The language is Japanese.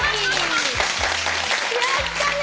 やったね！